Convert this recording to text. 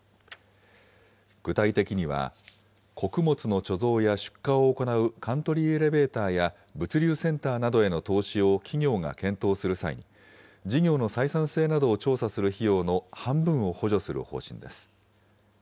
具体的には、穀物の貯蔵や出荷を行うカントリーエレベーターや物流センターなどへの投資を企業が検討する際に、事業の採算性などを調査する費用の半分を補助する方針です。